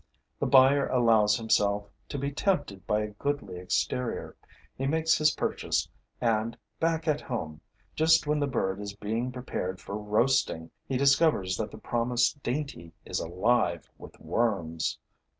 The buyer allows himself to be tempted by a goodly exterior; he makes his purchase and, back at home, just when the bird is being prepared for roasting, he discovers that the promised dainty is alive with worms.